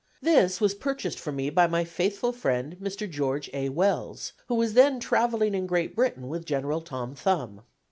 This was purchased for me by my faithful friend, Mr. George A. Wells, who was then travelling in Great Britain with General Tom Thumb.